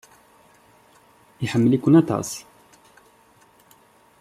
Iḥemmel-iken aṭas.